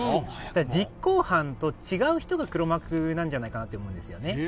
実行犯と違う人が黒幕なんじゃないかなって思うんですよね。